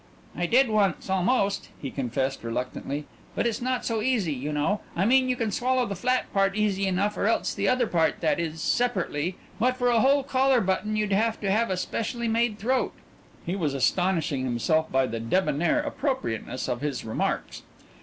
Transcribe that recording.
"I did once almost," he confessed reluctantly, "but it's not so easy, you know. I mean you can swallow the flat part easy enough or else the other part that is, separately but for a whole collar button you'd have to have a specially made throat." He was astonishing himself by the debonnaire appropriateness of his remarks.